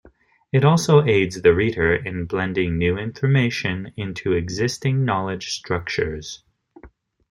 It also aids the reader in blending new information into existing knowledge structures.